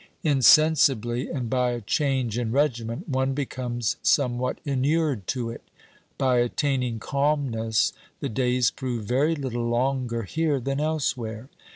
In sensibly, and by a change in regimen, one becomes some what inured to it. By attaining calmness the days prove very little longer here than elsewhere.